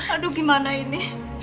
aduh gimana ini